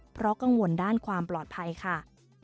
เพราะกังวลด้านความปลอดภัยค่ะ